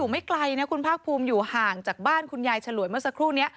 ไม่ไกลนะคุณภาคภูมิอยู่ห่างจากบ้านคุณยายฉลวยเมื่อสักครู่นี้